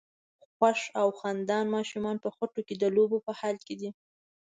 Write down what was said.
خوښ او خندان ماشومان په خټو کې د لوبو په حال کې دي.